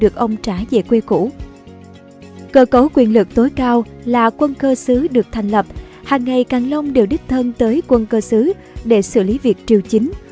cơ cấu quyền lực tối cao là quân cơ xứ được thành lập hàng ngày càng long đều đích thân tới quân cơ xứ để xử lý việc triều chính